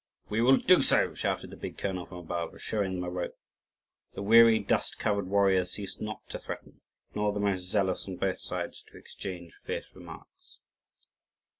"We will do so!" shouted the big colonel from above, showing them a rope. The weary, dust covered warriors ceased not to threaten, nor the most zealous on both sides to exchange fierce remarks.